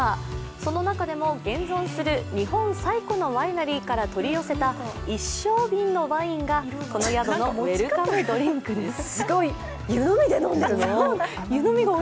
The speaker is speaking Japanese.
その中でも現存する日本最古のワイナリーから取り寄せた一升瓶のワインがこの宿のウエルカムドリンクです。